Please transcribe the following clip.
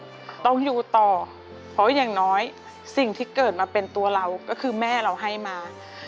ต้องอยู่ต่อเพราะอย่างน้อยสิ่งที่เกิดมาเป็นตัวเราก็คือแม่เราให้มา